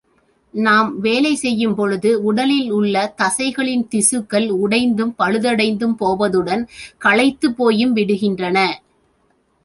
நாம் வேலை செய்யும் பொழுது உடலில் உள்ள தசைகளின் திசுக்கள் உடைந்தும், பழுதடைந்தும் போவதுடன், களைத்துப் போயும் விடுகின்றன.